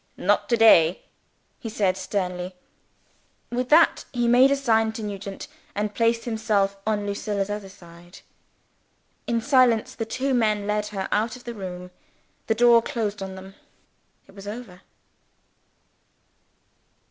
"Not to day!" he said sternly. With that, he made a sign to Nugent, and placed himself on Lucilla's other side. In silence, the two men led her out of the room. The door closed on them. It was over.